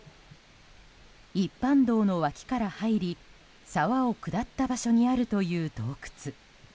一般道の脇から入り沢を下った場所にあるという洞窟。